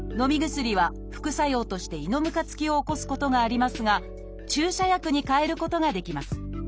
薬は副作用として「胃のむかつき」を起こすことがありますが注射薬にかえることができます。